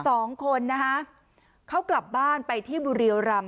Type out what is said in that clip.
สองคนเขากลับบ้านไปที่บุรีโอรัม